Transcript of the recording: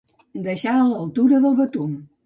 Deixar a l'altura del betum.